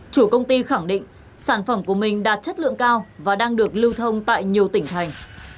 chủ công ty khẳng định sản phẩm của mình đạt chất lượng cao và đang được lưu thông tại nhiều tỉnh thành